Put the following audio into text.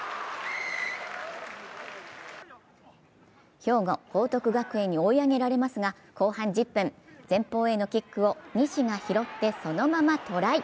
兵庫・報徳学園に追い上げられますが、後半１０分、前方へのキックを西が拾ってそのままトライ。